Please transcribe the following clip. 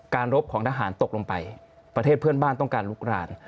รบของทหารตกลงไปประเทศเพื่อนบ้านต้องการลุกราน